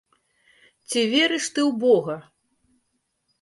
Ці верыш ты ў бога?